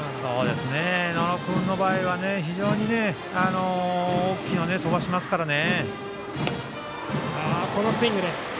野呂君の場合は非常に大きいのを飛ばしますからね。